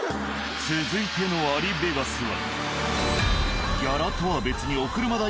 続いてのアリベガスは。